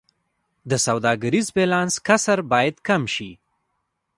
د سوداګریز بیلانس کسر باید کم شي